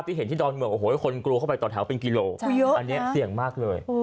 ที่เห็นที่ดอนเมืองโอ้โหคนกลัวเข้าไปต่อแถวเป็นกิโลอันนี้เสี่ยงมากเลย